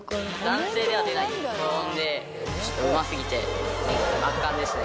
男性では出ない高音で、ちょっとうますぎて圧巻ですね。